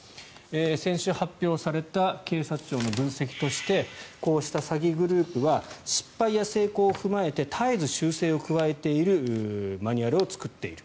先週発表された警察庁の分析としてこうした詐欺グループは失敗や成功を踏まえて絶えず修正を加えているマニュアルを作っている。